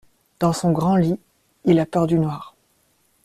Dans son grand lit, il a peur du noir.